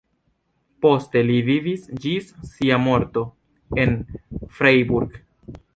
Poste li vivis ĝis sia morto en Freiburg.